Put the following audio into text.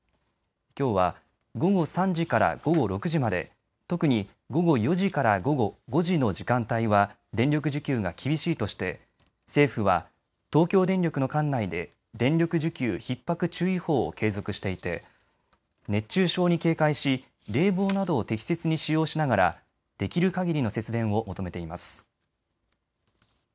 きょうは午後３時から午後６時まで、特に午後４時から午後５時の時間帯は電力需給が厳しいとして政府は東京電力の管内で電力需給ひっ迫注意報を継続していて、熱中症に警戒し冷房などを適切に使用しながらできるかぎりの節電を求めています。